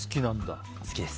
好きです。